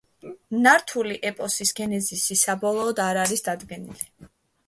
ნართული ეპოსის გენეზისი საბოლოოდ არ არის დადგენილი.